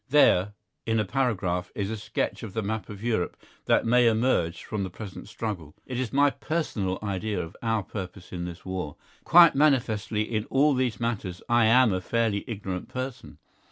There, in a paragraph, is a sketch of the map of Europe that may emerge from the present struggle. It is my personal idea of our purpose in this war. Quite manifestly in all these matters I am a fairly ignorant person.